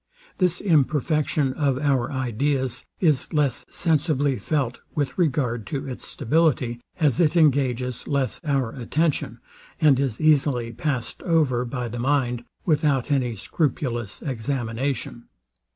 This imperfection of our ideas is less sensibly felt with regard to its stability, as it engages less our attention, and is easily past over by the mind, without any scrupulous examination.